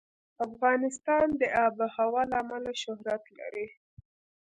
افغانستان د آب وهوا له امله شهرت لري.